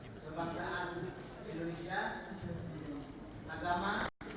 untuk pembocakan sumpah ini juga pembocakan sumpah